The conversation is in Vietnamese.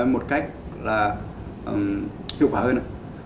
một cách là hiệu quả hơn